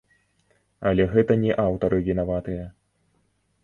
Але гэта не аўтары вінаватыя.